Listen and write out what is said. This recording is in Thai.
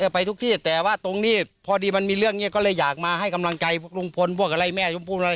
ไปทุกที่แต่ว่าตรงนี้พอดีมันมีเรื่องนี้ก็เลยอยากมาให้กำลังใจพวกลุงพลพวกอะไรแม่ชมพู่อะไร